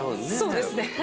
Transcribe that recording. そうですね。